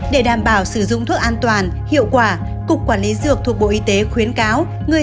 để đảm bảo sử dụng thuốc an toàn hiệu quả cục quản lý dược thuộc bộ y tế khuyến cáo người